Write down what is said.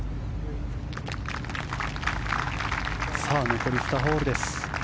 残り２ホールです。